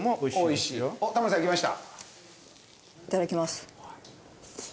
いただきます。